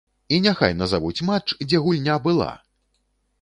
І няхай назавуць матч, дзе гульня была!